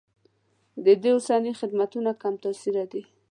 د دوی اوسني خدمتونه کم تاثیره دي.